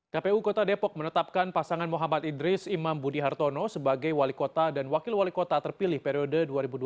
kpu kota depok menetapkan pasangan muhammad idris imam budi hartono sebagai wali kota dan wakil wali kota terpilih periode dua ribu dua puluh satu dua ribu dua puluh enam